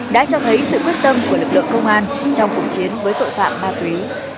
đã cho thấy sự quyết tâm của lực lượng công an trong cuộc chiến với tội phạm ma túy